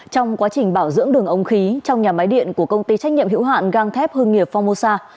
trong quá trình bảo dưỡng đường ống khí trong nhà máy điện của công ty trách nhiệm hữu hạn găng thép hương nghiệp phongmosa